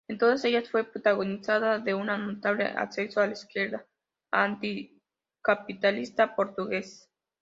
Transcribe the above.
En todas ellas fue protagonista de un notable ascenso de la izquierda anticapitalista portuguesa.